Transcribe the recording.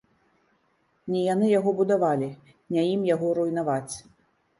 Не яны яго будавалі, не ім яго руйнаваць.